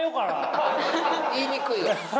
言いにくいよ。